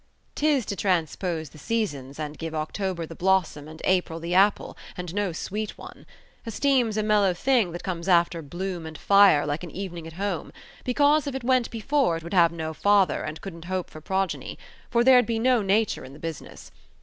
"'Tis to transpose the seasons, and give October the blossom and April the apple, and no sweet one! Esteem's a mellow thing that comes after bloom and fire, like an evening at home; because if it went before it would have no father and couldn't hope for progeny; for there'd be no nature in the business.